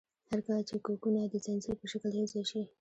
هر کله چې کوکونه د ځنځیر په شکل یوځای شي.